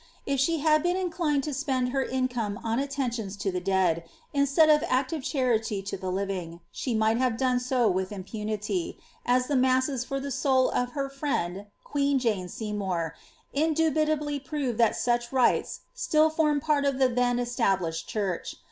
If she had been inclined to spend her income on attentions to the dead, instead of active charity to the living, she might have done so with impunity, as the masses for the soul of her friend, queen Jane Seymour, indubitably prove that such rites still formed part of the then established church.